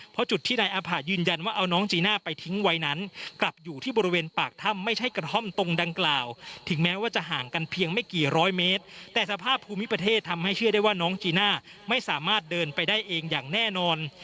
เพราะจุดที่นายอาผะยืนยันว่าเอาน้องจีน่าไปทิ้งไว้นั้นกลับอยู่ที่บริเวณปากถ้ำไม่ใช่กระท่อมตรงดังกล่าวถึงแม้ว่าจะห่างกันเพียงไม่กี่ร้อยเมตรแต่สภาพภูมิประเทศทำให้เชื่อได้ว่าน้องจีน่าไม่สามารถเดินไปได้เองอย่างแน่นอน